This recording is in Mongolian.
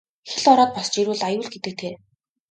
Хэл ороод босож ирвэл аюул гэдэг тэр.